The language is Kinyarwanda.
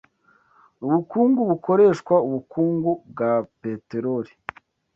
ubukungu bukoreshwa ubukungu bwa peteroli